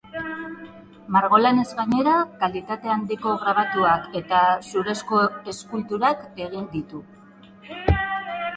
Margolanez gainera, kalitate handiko grabatuak eta zurezko eskulturak egin ditu.